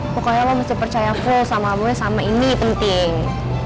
pokoknya lo mesti percaya full sama gue sama ini penting